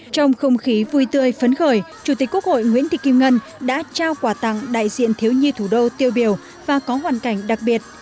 trong không khí vui tươi phấn khởi chủ tịch quốc hội nguyễn thị kim ngân đã trao quà tặng đại diện thiếu nhi thủ đô tiêu biểu và có hoàn cảnh đặc biệt